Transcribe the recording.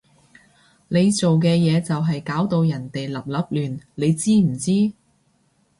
你做嘅嘢就係搞到人哋立立亂，你知唔知？